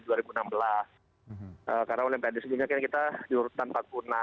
karena olimpiade sebelumnya kita diurutan empat puluh enam